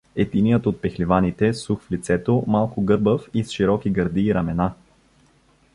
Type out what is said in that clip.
Единият от пехливаните, сух в лицето, малко гърбав и с широки гърди и рамена.